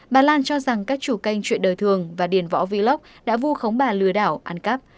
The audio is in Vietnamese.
bà lan cho rằng các chủ kênh chuyện đời thường và điền võ vlog đã vu khống bà lừa đảo ăn cắp